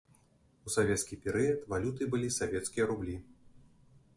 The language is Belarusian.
У савецкі перыяд валютай былі савецкія рублі.